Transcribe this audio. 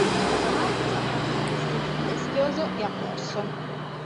Marcus ha fatto un investimento rischioso e ha perso.